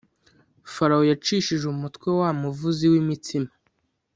Farawo yacishije umutwe wa muvuzi w imitsima